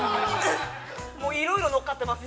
◆もういろいろ乗っかってます。